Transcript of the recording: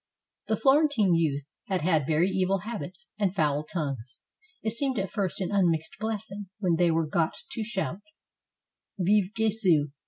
The Florentine youth had had very evil habits and foul tongues: it seemed at first an un mixed blessing when they were got to shout, " Viva Gesu!'